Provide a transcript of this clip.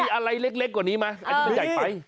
มีอะไรเล็กกว่านี้ไหมอันนี้มันใหญ่ไป